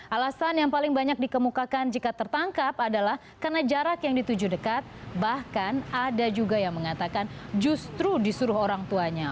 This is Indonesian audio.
alasan yang paling banyak dikemukakan jika tertangkap adalah karena jarak yang dituju dekat bahkan ada juga yang mengatakan justru disuruh orang tuanya